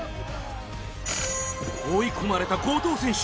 追い込まれた後藤選手